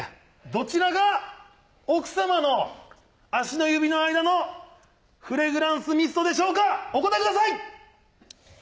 どちらが奥さまの足の指の間のフレグランスミストでしょうかお答えください！